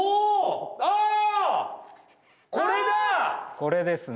これですね。